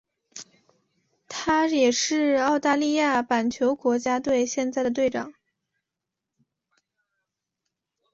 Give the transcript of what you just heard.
他也是澳大利亚板球国家队现在的队长。